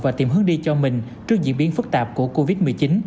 và tìm hướng đi cho mình trước diễn biến phức tạp của covid một mươi chín